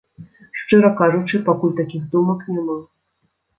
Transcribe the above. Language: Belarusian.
Шчыра кажучы, пакуль такіх думак няма.